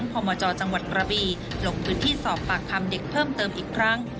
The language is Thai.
พมจจังหวัดกระบีลงพื้นที่สอบปากคำเด็กเพิ่มเติมอีกครั้ง